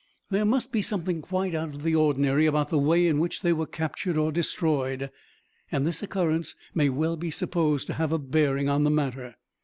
There must be something quite out of the ordinary about the way in which they were captured or destroyed, and this occurrence may well be supposed to have a bearing on the matter."